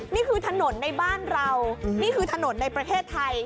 นี่คือถนนในบ้านเรานี่คือถนนในประเทศไทย